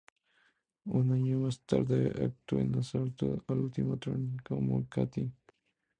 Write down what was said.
Un año más tarde actuó en "Asalto al último tren", como "Katy".